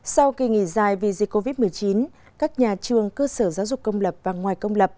sau kỳ nghỉ dài vì dịch covid một mươi chín các nhà trường cơ sở giáo dục công lập và ngoài công lập